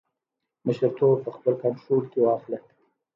مشرتوب په خپل کنټرول کې واخلي.